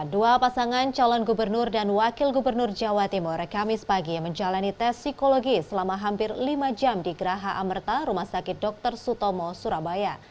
dua pasangan calon gubernur dan wakil gubernur jawa timur kamis pagi menjalani tes psikologi selama hampir lima jam di geraha amerta rumah sakit dr sutomo surabaya